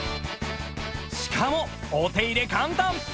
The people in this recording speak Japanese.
しかもお手入れ簡単！